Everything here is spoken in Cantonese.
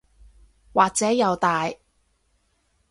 或者又大